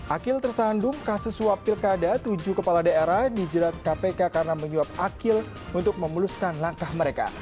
akil tersandung kasus suap pilkada tujuh kepala daerah dijerat kpk karena menyuap akil untuk memuluskan langkah mereka